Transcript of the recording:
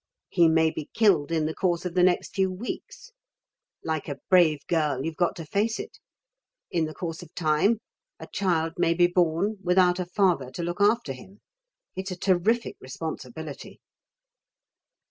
He may be killed in the course of the next few weeks. Like a brave girl you've got to face it. In the course of time a child may be born without a father to look after him. It's a terrific responsibility."